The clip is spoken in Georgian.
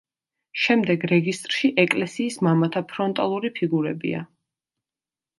შემდეგ რეგისტრში ეკლესიის მამათა ფრონტალური ფიგურებია.